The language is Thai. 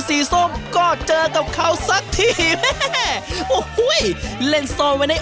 เพราะเดี๋ยวเราไปทำเมนูต้องเฉินเลย